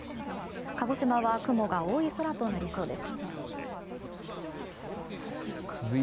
鹿児島は雲が多い空となりそうです。